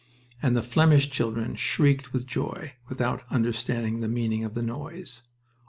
and the Flemish children shrieked with joy, without understanding the meaning of the noise.